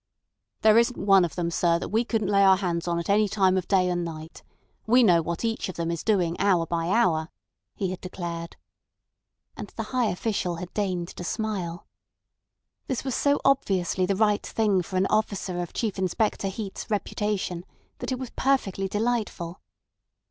"There isn't one of them, sir, that we couldn't lay our hands on at any time of night and day. We know what each of them is doing hour by hour," he had declared. And the high official had deigned to smile. This was so obviously the right thing to say for an officer of Chief Inspector Heat's reputation that it was perfectly delightful.